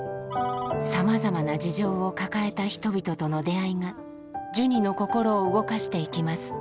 さまざまな事情を抱えた人々との出会いがジュニの心を動かしていきます